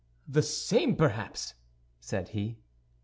"The same, perhaps," said he.